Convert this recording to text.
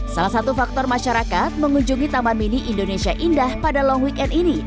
salah satu faktor masyarakat mengunjungi taman mini indonesia indah pada long weekend ini